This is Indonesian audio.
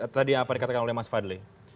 tadi apa yang dikatakan oleh mas fadli